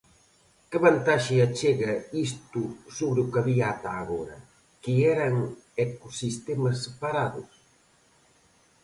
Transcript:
Que vantaxe achega isto sobre o que había ata agora, que eran ecosistemas separados?